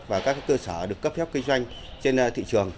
và các cơ sở được cấp phép kinh doanh trên thị trường